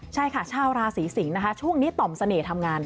ใช่ค่ะชาวราศีสิงศ์นะคะช่วงนี้ต่อมเสน่ห์ทำงาน